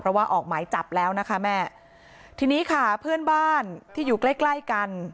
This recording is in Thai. เพราะว่าออกหมายจับแล้วนะคะแม่ทีนี้ค่ะเพื่อนบ้านที่อยู่ใกล้ใกล้กัน